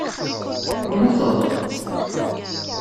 Temmuteḍ?